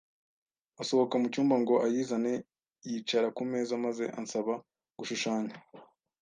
asohoka mu cyumba ngo ayizane, yicara ku meza maze ansaba gushushanya